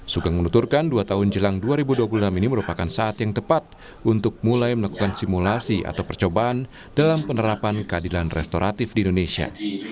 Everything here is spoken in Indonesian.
sugeng menuturkan dua tahun jelang dua ribu dua puluh enam ini merupakan saat yang tepat untuk mulai melakukan simulasi atau percobaan dalam penerapan keadilan restoratif di indonesia